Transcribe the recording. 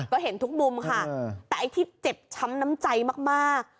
ก็เห็นทุกมุมค่ะแต่ไอ้ที่เจ็บช้ำน้ำใจมาก